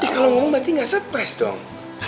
kalau ngomong berarti nggak surprise dong